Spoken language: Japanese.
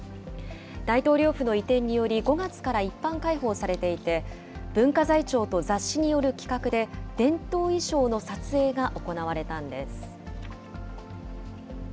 大統領府の移転により、５月から一般開放されていて、文化財庁と雑誌による企画で、伝統衣装の撮影が行われたんです。